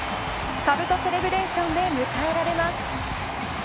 カブトセレブレーションで迎えられます。